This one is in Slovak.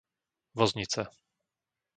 Voznica